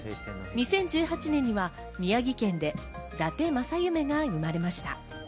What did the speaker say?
２０１８年には宮城県で、だて正夢が生まれました。